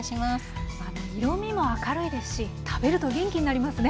色みも明るいですし食べると元気になりますね。